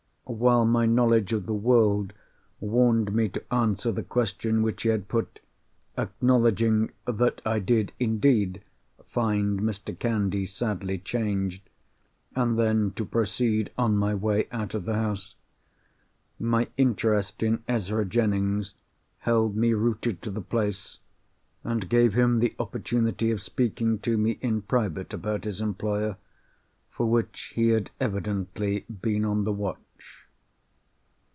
While my knowledge of the world warned me to answer the question which he had put, acknowledging that I did indeed find Mr. Candy sadly changed, and then to proceed on my way out of the house—my interest in Ezra Jennings held me rooted to the place, and gave him the opportunity of speaking to me in private about his employer, for which he had been evidently on the watch.